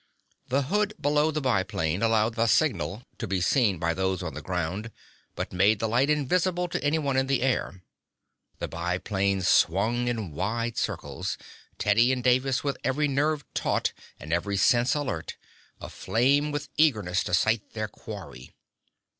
The hood below the biplane allowed the signal to be seen by those on the ground, but made the light invisible to any one in the air. The biplane swung in wide circles, Teddy and Davis with every nerve taut and every sense alert, aflame with eagerness to sight their quarry.